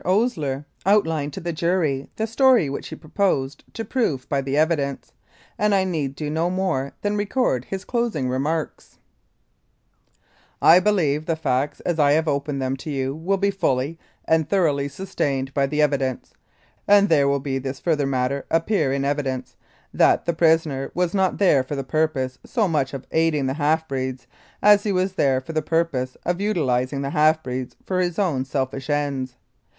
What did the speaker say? Osier outlined to the jury the story which he proposed to prove by the evidence, and I need do no more than record his closing remarks : "I believe the facts as I have opened them to you will be fully and thoroughly sustained by the evidence, and there will be this further matter appear in evidence that the prisoner was not there for the purpose so much of aiding the half breeds as he was there for the purpose of utilising the half breeds for his own selfish ends.